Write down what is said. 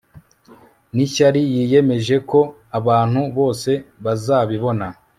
n'ishyari. yiyemeje ko abantu bose bazabibona